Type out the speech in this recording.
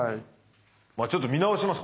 ちょっと見直します。